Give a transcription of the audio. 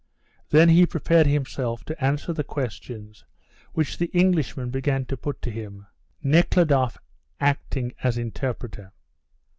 Then he prepared himself to answer the questions which the Englishman began to put to him, Nekhludoff acting as interpreter.